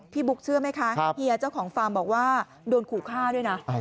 บุ๊กเชื่อไหมคะเฮียเจ้าของฟาร์มบอกว่าโดนขู่ฆ่าด้วยนะ